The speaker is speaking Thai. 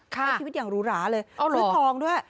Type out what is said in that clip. ใช้ชีวิตอย่างหรูหราเลยด้วยทองด้วย